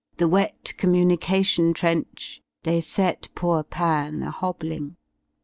The wet communication trench. They set poor Pan a hobbling.